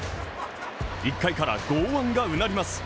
１回から剛腕が唸ります